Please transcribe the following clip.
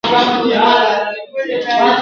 چي ناڅاپه د شاهین د منګول ښکار سو !.